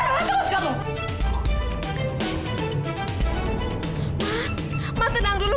nggak ada anak suhus kamu